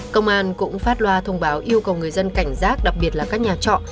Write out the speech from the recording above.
công an cũng phát loa thông báo yêu cầu người dân cảnh giác đặc biệt là các nhà trọ